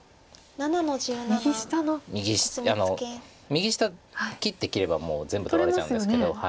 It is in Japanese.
右下切って切ればもう全部取られちゃうんですけど。